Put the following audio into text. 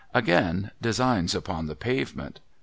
' Again, designs upon the pavement.